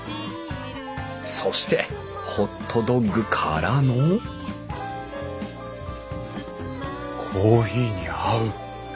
そしてホットドッグからのコーヒーに合う。